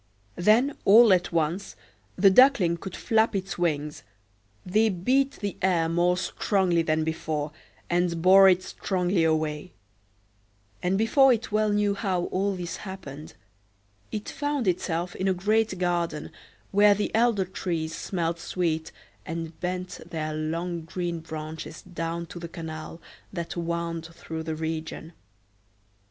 Then all at once the Duckling could flap its wings: they beat the air more strongly than before, and bore it strongly away; and before it well knew how all this happened, it found itself in a great garden, where the elder—trees smelt sweet, and bent their long green branches down to the canal that wound through the region.